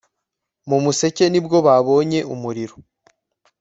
Mu museke ni bwo babonye umuriro